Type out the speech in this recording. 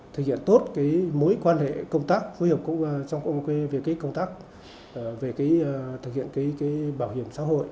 thực hiện tốt mối quan hệ công tác phối hợp trong việc công tác về thực hiện bảo hiểm xã hội